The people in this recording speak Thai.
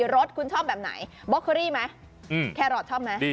รถคุณชอบแบบไหนบอเคอรี่ไหมแครอทชอบไหม